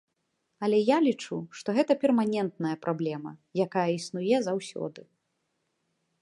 Але я лічу, што гэта перманентная праблема, якая існуе заўсёды.